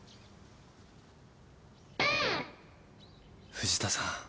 藤田さん。